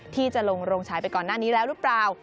ที่จะลงโรงฉายไปก่อนหน้านี้แล้วหรือเปล่า